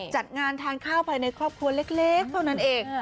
จัดงานทานข้าวภายในครอบครัวเล็กเท่านั้นเอง